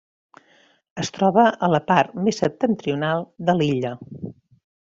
Es troba a la part més septentrional de l'illa.